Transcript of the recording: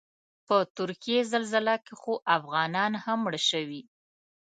په ترکیې زلزله کې خو افغانان هم مړه شوي.